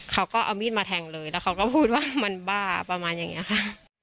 เขาก็เอามีดมาแทงเลยแล้วเขาก็พูดว่ามันบ้าประมาณอย่างนี้ค่ะ